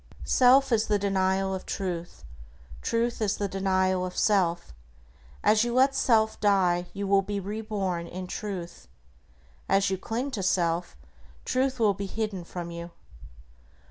Self is the denial of Truth. Truth is the denial of self. As you let self die, you will be reborn in Truth. As you cling to self, Truth will be hidden from you.